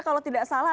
kalau tidak salah